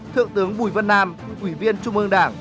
thượng tướng bùi vân nam quỷ viên trung ương đảng